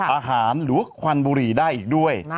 หรือว่าควันบุหรี่ได้อีกด้วย